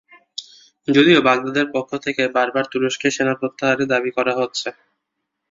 যদিও বাগদাদের পক্ষ থেকে বারবার তুরস্কের সেনা প্রত্যাহারের দাবি করা হচ্ছে।